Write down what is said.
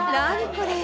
これ！